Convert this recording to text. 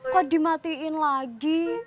kok dimatiin lagi